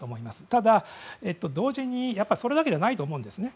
ただ、同時にそれだけではないと思うんですね。